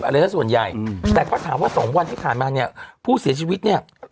อะไรสักส่วนใหญ่อืมแต่ก็ถามว่าสองวันที่ผ่านมาเนี่ยผู้เสียชีวิตเนี่ย